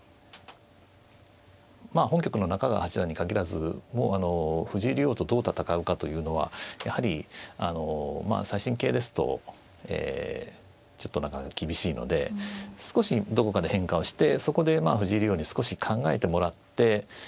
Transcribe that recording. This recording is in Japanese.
まあ本局の中川八段に限らずもうあの藤井竜王とどう戦うかというのはやはり最新型ですとええちょっとなかなか厳しいので少しどこかで変化をしてそこでまあ藤井竜王に少し考えてもらって